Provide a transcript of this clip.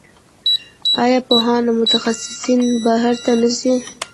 آیا پوهان او متخصصین بهر ته نه ځي؟